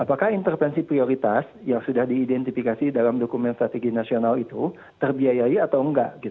apakah intervensi prioritas yang sudah diidentifikasi dalam dokumen strategi nasional itu terbiayai atau enggak